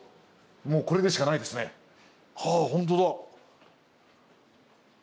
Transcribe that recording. もうこれでしかないですね。はほんとだ。